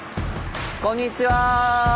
こんにちは。